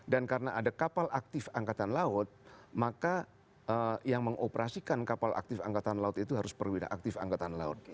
dan karena ada kapal aktif angkatan laut maka yang mengoperasikan kapal aktif angkatan laut itu harus perwira aktif angkatan laut